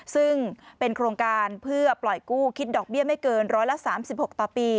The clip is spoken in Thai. ซึ่งเป็นโครงการเพื่อปล่อยกู้คิดดอกเบี้ยไม่เกิน๑๓๖ต่อปี